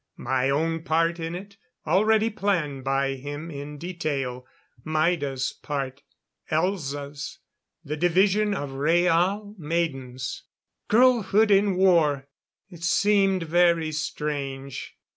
My own part in it, already planned by him in detail. Maida's part. Elza's. The division of Rhaal maidens. Girlhood in war! It seemed very strange.